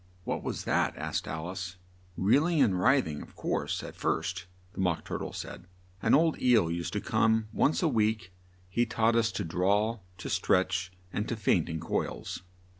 "What was that?" asked Al ice. "Reel ing and Writh ing, of course, at first," the Mock Tur tle said. "An old eel used to come once a week. He taught us to drawl, to stretch and to faint in coils."